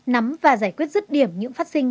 nắm và giải quyết rứt điểm những phát sinh